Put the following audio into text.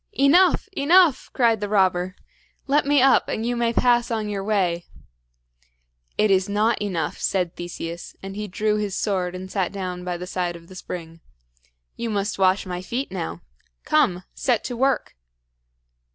"Enough! enough!" cried the robber. "Let me up, and you may pass on your way." "It is not enough," said Theseus; and he drew his sword and sat down by the side of the spring. "You must wash my feet now. Come, set to work!"